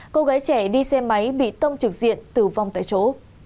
cô gái trẻ đi xe máy bị tông trực diện tử vong tại chỗ